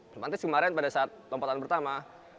otomatis kemarin pada saat lompatan pertama